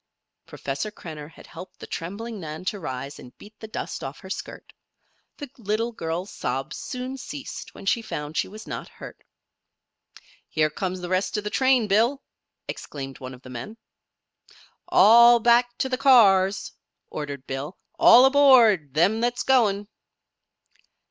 Professor Krenner had helped the trembling Nan to rise and beat the dust off her skirt. The little girl's sobs soon ceased when she found she was not hurt. "Here comes the rest of the train, Bill!" exclaimed one of the men. "All back to the cars!" ordered Bill. "All aboard them that's goin'!"